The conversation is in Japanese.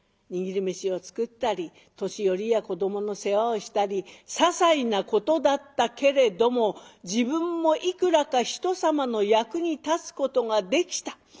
握り飯を作ったり年寄りや子どもの世話をしたりささいなことだったけれども自分もいくらかひとさまの役に立つことができた。